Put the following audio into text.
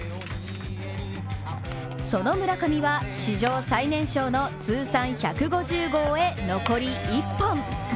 その村上は、史上最年少の通算１５０号へ、残り１本。